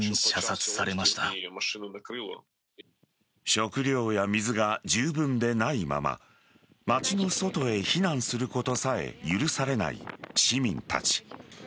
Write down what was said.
食料や水が十分でないまま街の外へ避難することさえ許されない市民たち。